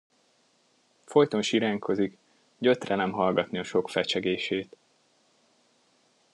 Folyton siránkozik, gyötrelem hallgatni a sok fecsegését.